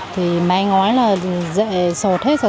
thì máy ngói là dễ sột hết rồi